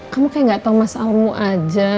kamu kayak gak tau mas almu aja